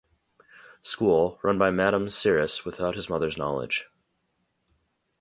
School, run by Madame Siris without his mother's knowledge.